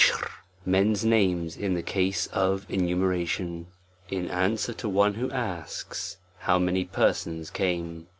'^J& men's names in the case of enumeration ; in answer to one who asks, how many persons came.